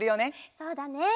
そうだね。